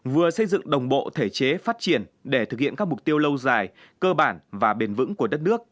vừa xây dựng đồng bộ thể chế phát triển để thực hiện các mục tiêu lâu dài cơ bản và bền vững của đất nước